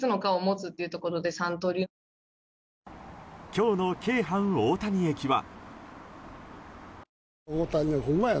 今日の京阪大谷駅は。